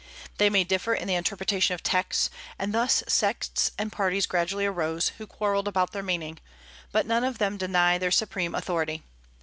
They may differ in the interpretation of texts, and thus sects and parties gradually arose, who quarrelled about their meaning, but none of them deny their supreme authority.